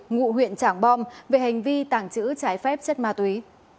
ngụ huyện trảng bom về hành vi tàng trữ trái phép chất ma túy